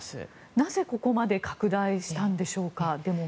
なぜ、ここまでデモが拡大したんでしょうか。